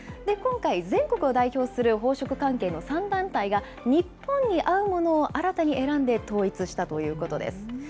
今回、全国を代表する宝飾関係の３団体が、日本に合うものを新たに選んで統一したということです。